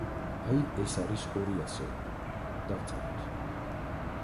აი, ეს არის ორი ასეული. დავწეროთ.